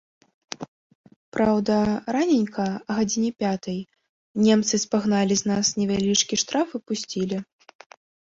Праўда, раненька, а гадзіне пятай, немцы спагналі з нас невялічкі штраф і пусцілі.